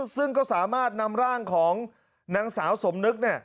ซึ่งก็สามารถนำร่างของนางสาวสมนึก